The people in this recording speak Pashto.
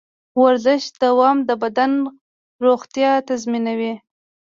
د ورزش دوام د بدن روغتیا تضمینوي.